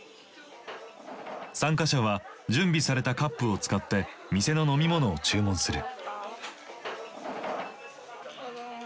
参加者は準備されたカップを使って店の飲み物を注文する。